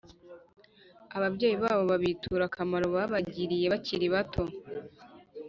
ababyeyi babo, babitura akamaro babagiriye bakiri bato